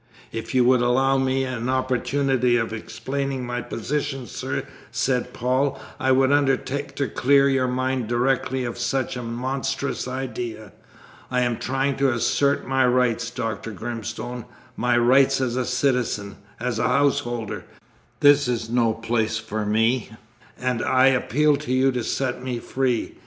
"If you would allow me an opportunity of explaining my position, sir," said Paul, "I would undertake to clear your mind directly of such a monstrous idea. I am trying to assert my rights, Dr. Grimstone my rights as a citizen, as a householder! This is no place for me, and I appeal to you to set me free.